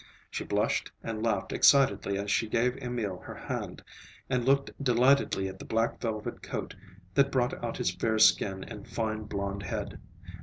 She blushed and laughed excitedly as she gave Emil her hand, and looked delightedly at the black velvet coat that brought out his fair skin and fine blond head.